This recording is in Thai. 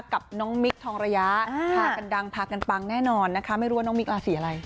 กับน้องมิคทองระยะพากันดังพากันปังแน่นอนนะคะไม่รู้ว่าน้องมิ๊กราศีอะไร